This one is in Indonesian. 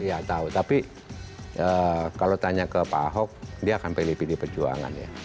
ya tahu tapi kalau tanya ke pak ahok dia akan pilih pilih perjuangan ya